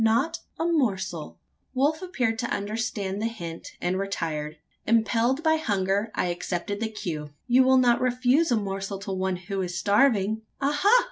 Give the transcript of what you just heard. Not a morsel!" Wolf appeared to understand the hint and retired. Impelled by hunger, I accepted the cue: "You will not refuse a morsel to one who is starving?" "Aha!